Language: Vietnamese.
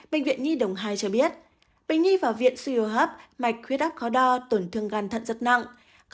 bệnh viện nhi đồng hai cho biết bệnh nhi vào viện siêu hấp mạch huyết áp khó đo tổn thương gan thận rất nặng